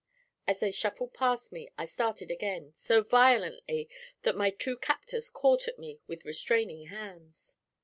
As they shuffled past me I started again, so violently that my two captors caught at me with restraining hands.